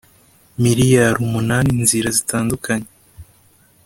miliyari umunani inzira zitandukanye